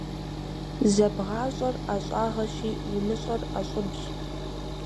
ЗэбгъащӀэр ӀэщӀагъэщи, умыщӀэр ӀэщӀыбщ.